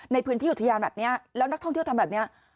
ในพื้นที่อุทยานแบบนี้แล้วนักท่องเที่ยวทำแบบนี้